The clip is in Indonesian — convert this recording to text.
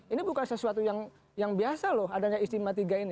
ini bukan sesuatu yang biasa loh adanya istimewa tiga ini